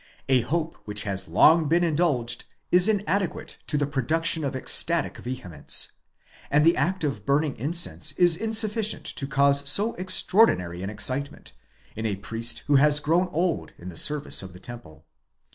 A hope which has been long indulged is inadequate to the production of ecstatic vehemence, and the act of burning incense is insuffi cient to cause so extraordinary an excitement, in a priest who has grown old in the service of the temple.